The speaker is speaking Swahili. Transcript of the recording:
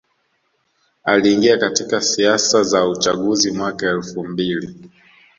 Aliingia katika siasa za uchaguzi mwaka elfu mbili